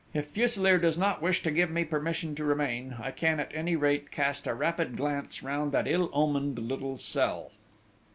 If Fuselier does not wish to give me permission to remain, I can at any rate cast a rapid glance round that ill omened little cell!"